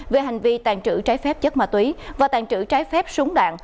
về hành vi tàn trữ trái phép chất ma túy và tàn trữ trái phép súng đạn